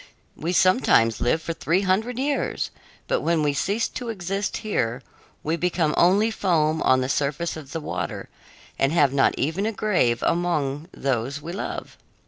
We sometimes live for three hundred years, but when we cease to exist here, we become only foam on the surface of the water and have not even a grave among those we love.